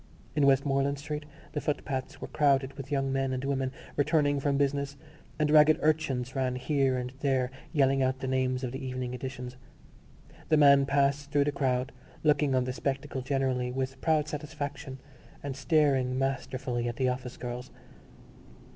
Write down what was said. In Westmoreland Street the footpaths were crowded with young men and women returning from business and ragged urchins ran here and there yelling out the names of the evening editions. The man passed through the crowd, looking on the spectacle generally with proud satisfaction and staring masterfully at the office girls.